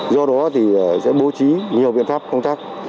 do đó thì sẽ bố trí nhiều biện pháp công tác